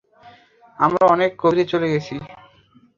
আমরা অনেক গভীরে চলে গেছি।